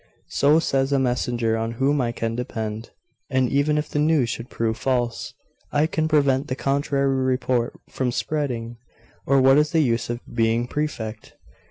So says a messenger on whom I can depend. And even if the news should prove false, I can prevent the contrary report from spreading, or what is the use of being prefect?